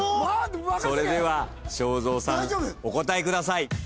それでは正蔵さんお答えください。